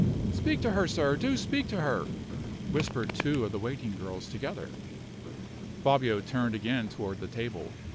"Speak to her, sir. Do speak to her!" whispered two of the waiting girls together. Fabio turned again toward the table.